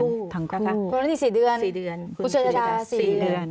ผู้หน้าที่สี่เดือนผู้เชิญราชาสี่เดือนค่ะสี่เดือน